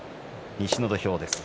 西の土俵です。